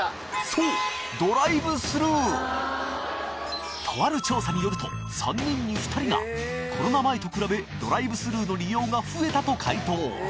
そうとある調査によると３人に２人がコロナ前と比べドライブスルーの利用が増えたと回答